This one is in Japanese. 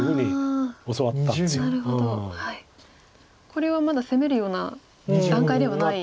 これはまだ攻めるような段階ではない。